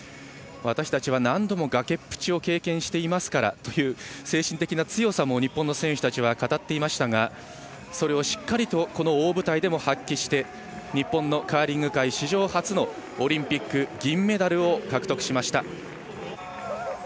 私たちは何度も崖っぷちを経験していますからという精神的な強さも日本選手たちは語っていましたがそれをしっかりとこの大舞台でも発揮して日本のカーリング界史上初のオリンピック銀メダルを獲得しました。